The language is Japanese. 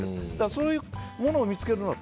そういうものを見つけるのは